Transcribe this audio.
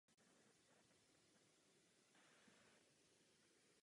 Byl mu diagnostikován nádor na srdci.